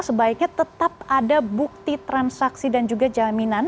sebaiknya tetap ada bukti transaksi dan juga jaminan